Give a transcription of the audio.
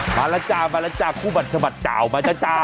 มาแล้วจ้ามาแล้วจ้าคู่บันสมัติจ่าวมาแล้วจ้า